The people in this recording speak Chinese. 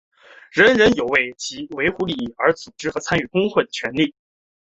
人人有为维护其利益而组织和参加工会的权利。